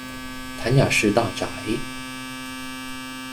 谭雅士大宅。